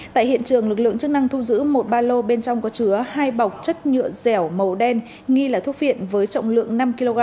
tại hiện trường lực lượng chức năng thu giữ một ba lô bên trong có chứa hai bọc chất nhựa dẻo màu đen nghi là thuốc viện với trọng lượng năm kg